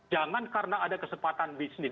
jangan karena ada kesempatan bisnis